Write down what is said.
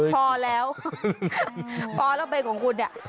พอแล้วพอแล้วเป็นของคุณ